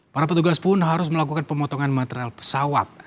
para petugas pun harus melakukan pemotongan material pesawat